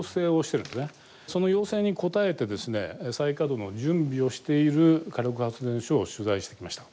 その要請に応えてですね再稼働の準備をしている火力発電所を取材してきました。